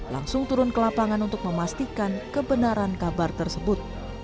langsung turun ke lapangan untuk memastikan kebenaran kabar tersebut